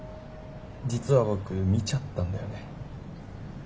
実は僕見ちゃったんだよね。